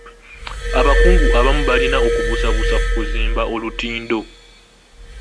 Abakungu abamu balina okubuusabuusa ku kuzimba olutindo.